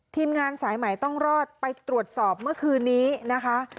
ทีมงานสายใหม่ต้องรอดไปตรวจสอบเมื่อคืนนี้นะคะ